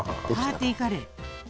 パーティーカレー。